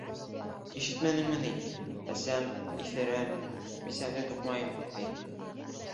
Ишетмәнеңме ни: әсәм, иҫерәм, бисәмде туҡмайым, ти.